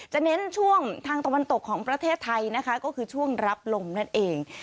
เน้นช่วงทางตะวันตกของประเทศไทยนะคะก็คือช่วงรับลมนั่นเอง